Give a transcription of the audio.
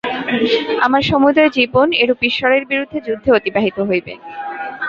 আমার সমুদয় জীবন এরূপ ঈশ্বরের বিরুদ্ধে যুদ্ধে অতিবাহিত হইবে।